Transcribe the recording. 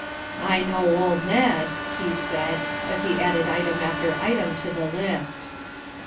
"I know old Ned!" he said as he added item after item to the list.